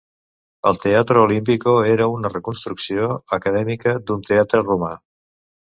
El Teatro Olimpico era una reconstrucció acadèmica d'un teatre romà.